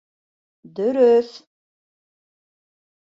Дөрөҫ...